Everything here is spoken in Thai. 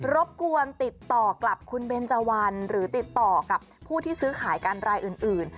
รบกวนติดต่อกลับคุณเบนเจวันหรือติดต่อกับผู้ที่ซื้อขายกันรายอื่น